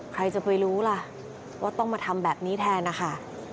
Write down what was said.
ใครจะไปรู้ล่ะว่าต้องมาทำแบบนี้แทนนะคะ